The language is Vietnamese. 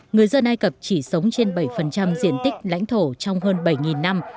người dân ai cập chỉ sống trên bảy diện tích lãnh thổ trong hơn bảy năm